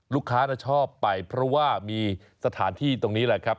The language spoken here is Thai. ชอบไปเพราะว่ามีสถานที่ตรงนี้แหละครับ